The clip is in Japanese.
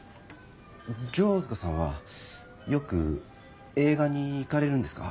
城塚さんはよく映画に行かれるんですか？